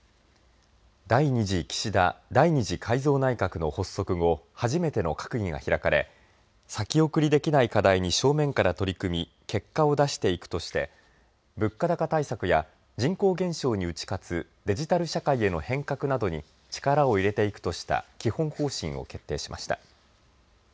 第２次岸田第２次改造内閣の発足後初めての閣議が開かれ先送りできない課題に正面から取り組み結果を出していくとして物価高対策や人口減少に打ち勝つデジタル社会への変革などに力を入れていくとした基本方針を決定しました。